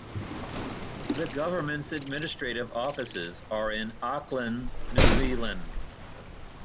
The government's administrative offices are in Auckland, New Zealand.